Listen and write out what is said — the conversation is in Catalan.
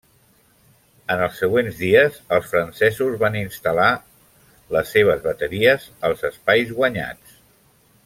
En els següents dies, els francesos van instal·lar les seves bateries als espais guanyats.